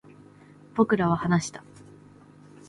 僕らは話した